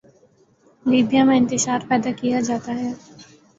Libya میں انتشار پیدا کیا جاتا ہے۔